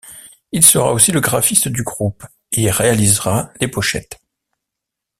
Il sera aussi le graphiste du groupe et réalisera les pochettes.